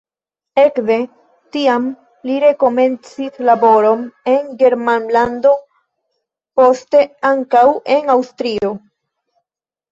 Ekde tiam li rekomencis laboron en Germanlando, poste ankaŭ en Aŭstrio.